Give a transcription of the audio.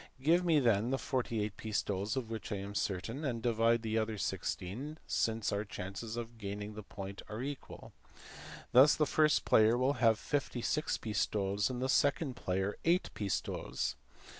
Give me then the 48 pistoles of which I am certain, and divide the other 16 equally, since our chances of gaining the point are equal." Thus the first player will have 56 pistoles and the second player 8 pistoles.